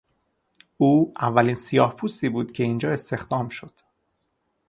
او اولین سیاهپوستی بود که اینجا استخدام شد.